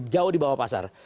jauh di bawah pasar